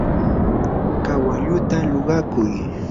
kawalluta luqakuy.